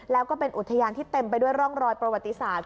แล้วก็เป็นอุทยานที่เต็มไปด้วยร่องรอยประวัติศาสตร์